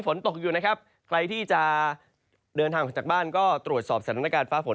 ฝนตกอยู่นะครับใครที่จะเดินทางออกจากบ้านก็ตรวจสอบสถานการณ์ฟ้าฝน